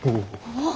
あっ。